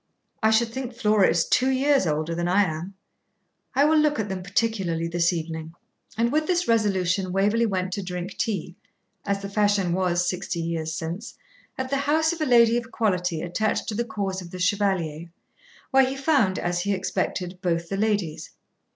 I should think Flora is two years older than I am. I will look at them particularly this evening.' And with this resolution Waverley went to drink tea (as the fashion was Sixty Years Since) at the house of a lady of quality attached to the cause of the Chevalier, where he found, as he expected, both the ladies.